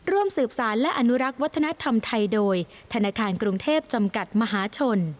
ร่วมสืบสารและอนุรักษ์วัฒนธรรมไทยโดยธนาคารกรุงเทพจำกัดมหาชน